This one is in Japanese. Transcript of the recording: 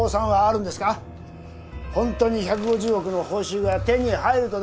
ホントに１５０億の報酬が手に入るとでも？